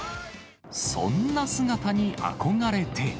そんな姿に憧れて。